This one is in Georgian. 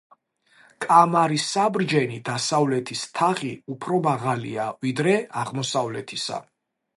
კამარის საბრჯენი დასავლეთის თაღი უფრო მაღალია, ვიდრე აღმოსავლეთისა.